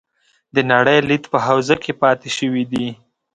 د نړۍ لید په حوزه کې پاتې شوي دي.